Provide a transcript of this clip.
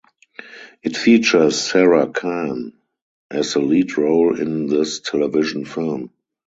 It features Sara Khan as the lead role in this television film.